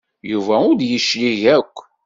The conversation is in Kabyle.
Yuba ur d-yeclig akk.